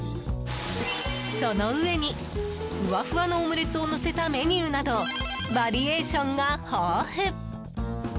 その上に、ふわふわのオムレツをのせたメニューなどバリエーションが豊富。